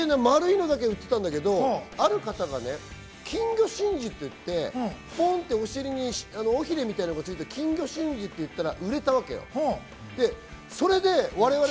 丸いのだけ売ってたんだけど、ある方が金魚真珠っていって、ポンってお尻に尾ひれみたなのがついた金魚真珠と言ったら売れたのよ。